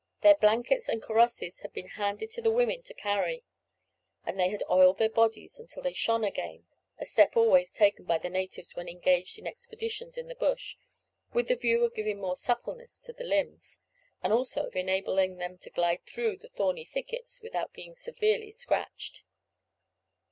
Their blankets and karosses had been handed to the women to carry, and they had oiled their bodies until they shone again, a step always taken by the natives when engaged in expeditions in the bush, with the view of giving more suppleness to the limbs, and also of enabling them to glide through the thorny thickets without being severely scratched.